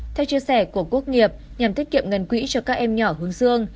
theo chia sẻ của quốc nghiệp nhằm thiết kiệm ngân quỹ cho các em nhỏ hướng xương